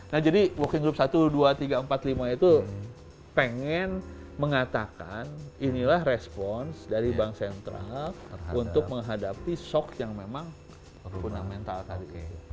nah jadi working group satu dua tiga empat lima itu pengen mengatakan inilah respons dari bank sentral untuk menghadapi shock yang memang fundamental tadi